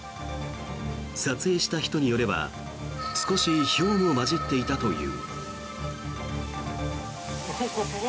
撮影した人によれば少し、ひょうも交じっていたという。